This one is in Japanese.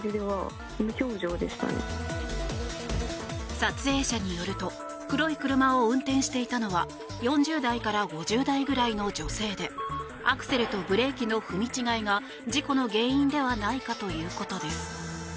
撮影者によると黒い車を運転していたのは４０代から５０代ぐらいの女性でアクセルとブレーキの踏み違いが事故の原因ではないかということです。